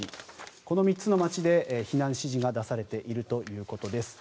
この３つの町で避難指示が出されているということです。